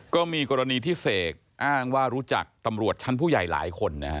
ก็มีกรณีที่เสกอ้างว่ารู้จักตำรวจชั้นผู้ใหญ่หลายคนนะฮะ